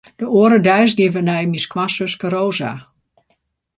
De oare deis geane wy nei myn skoansuske Rosa.